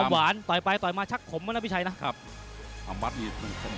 หมดโยคที่๔